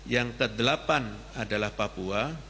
yang kedelapan adalah papua